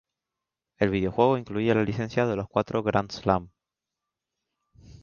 El videojuego incluye la licencia de los cuatro Grand Slam.